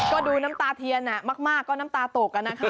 ก็ดูน้ำตาเทียนมากก็น้ำตาตกนะคะ